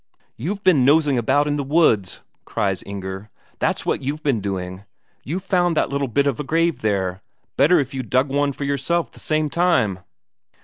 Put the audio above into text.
"You've been nosing about in the woods!" cries Inger. "That's what you've been doing. You've found that little bit of a grave there. Better if you'd dug one for yourself the same time."